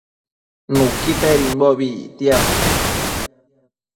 Nuquitedimbobi ictiad